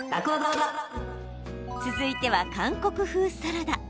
続いては、韓国風サラダ。